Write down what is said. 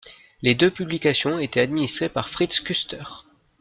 Les deux publications étaient administrées par Fritz Küster.